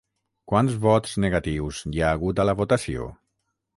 Quants vots negatius hi ha hagut a la votació?